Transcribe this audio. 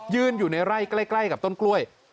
อยู่ในไร่ใกล้กับต้นกล้วย